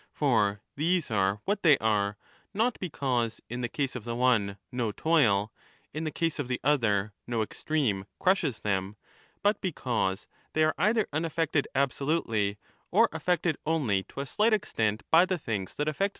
For these arc what they are, not because, in the case of the one, no toil, in the case of the other, no extreme,^ crushes them, but because they are either unaffected absolutely or affected only to a slight extent by the things that affect the many 18 38 =^.